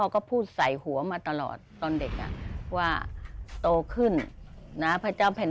ก็พูดใส่หัวมาตลอดตอนเด็กว่าโตขึ้นนะพระเจ้าแผ่น